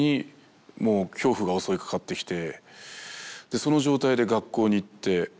その状態で学校に行って。